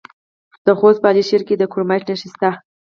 د خوست په علي شیر کې د کرومایټ نښې شته.